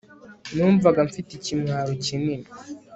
numvaga mfite ikimwaro kinini